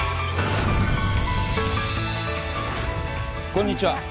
こんにちは。